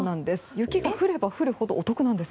雪が降れば降るほどお得なんです。